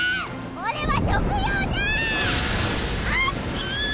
俺は食用じゃああっちぃ！